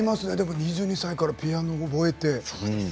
２２歳からピアノを覚えて。